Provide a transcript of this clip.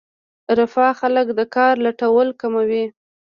رفاه خلک د کار لټولو کموي.